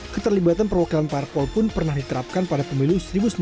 keterlibatan perwakilan parpol pun pernah diterapkan pada pemilu seribu sembilan ratus delapan puluh